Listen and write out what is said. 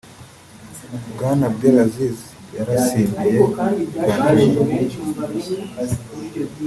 Bwana Abdel Aziz yarasimbiye i Banjul